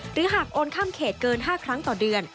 หากโอนข้ามเขตเกิน๕ครั้งต่อเดือน